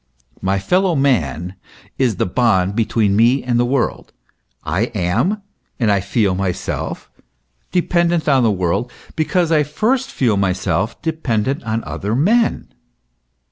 My fellow man is the bond between me and the world. I am, and I feel myself, dependent on the world, because I first feel myself dependent on other men.